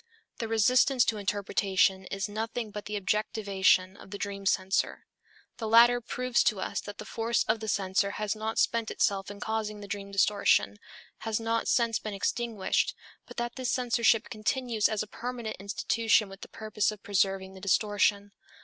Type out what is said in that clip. The resistance to interpretation is nothing but the objectivation of the dream censor. The latter proves to us that the force of the censor has not spent itself in causing the dream distortion, has not since been extinguished, but that this censorship continues as a permanent institution with the purpose of preserving the distortion.